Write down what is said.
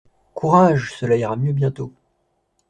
«Courage !… cela ira mieux bientôt.